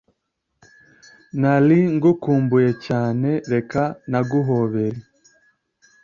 nali ngukumbuye cyaneee reka naguhobere